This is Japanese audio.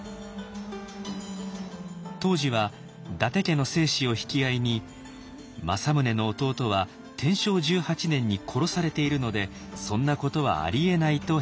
当時は伊達家の正史を引き合いに「政宗の弟は天正１８年に殺されているのでそんなことはありえない」と返答。